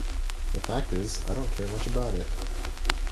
The fact is, I don't care much about it.